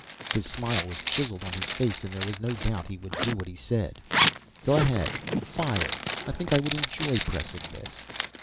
His smile was chiseled on his face and there was no doubt he would do what he said. "Go ahead fire. I think I would enjoy pressing this."